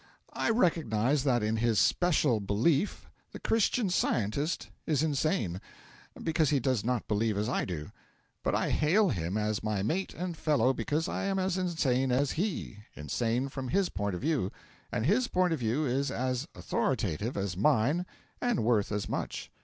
I recognise that in his special belief the Christian Scientist is insane, because he does not believe as I do; but I hail him as my mate and fellow because I am as insane as he insane from his point of view, and his point of view is as authoritative as mine and worth as much.